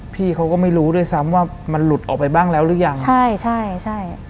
พี่เขาก็ไม่รู้ด้วยซ้ำว่ามันหลุดออกไปบ้างแล้วหรือยังใช่ใช่ใช่